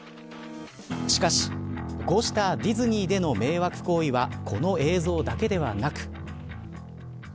しかし、こうしたディズニーでの迷惑行為はこの映像だけではなく。